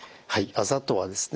あざとはですね